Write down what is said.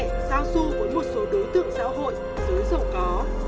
giao du với một số đối tượng xã hội dưới dầu có